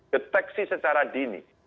deteksi secara dini